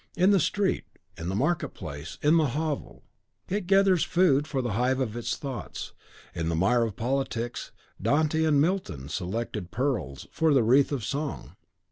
In the street, in the market place, in the hovel, it gathers food for the hive of its thoughts. In the mire of politics, Dante and Milton selected pearls for the wreath of song.